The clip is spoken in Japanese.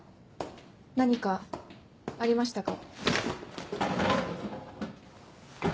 何かありましたか？